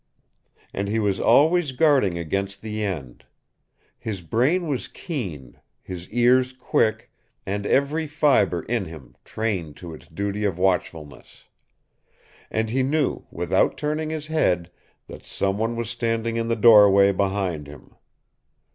And he was always guarding against the end. His brain was keen, his ears quick, and every fibre in him trained to its duty of watchfulness. And he knew, without turning his head, that someone was standing in the doorway behind him.